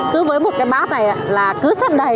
cứ với một cái bát này là cứ xếp đầy